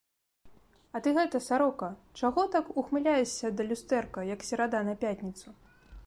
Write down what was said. А ты гэта, сарока, чаго так ухмыляешся да люстэрка, як серада на пятніцу?